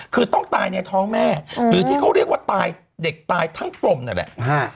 คือต้องตายในท้องแม่หรือที่เขาเรียกว่าตายเด็กตายทั้งกลมนั่นแหละ